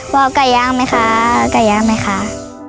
ว่าก๋าย่างไหมคะ